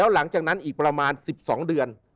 หลังจากนั้นอีกประมาณ๑๒เดือน